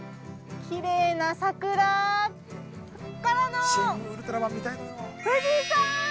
きれいな桜。からの、富士山！